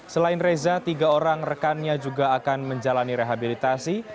selain reza tiga orang rekannya juga akan menjalani rehabilitasi